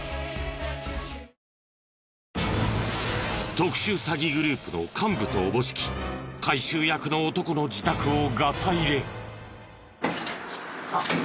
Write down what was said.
特殊詐欺グループの幹部とおぼしき回収役の男の自宅をガサ入れ。